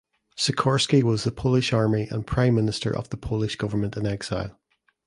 Sikorski was the Polish Army and Prime Minister of the Polish government in exile.